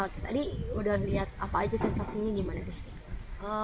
tadi udah lihat apa aja sensasinya gimana deh